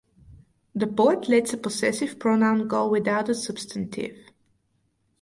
The poet lets a possessive pronoun go without a substantive.